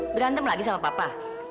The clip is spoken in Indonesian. berantem lagi sama papa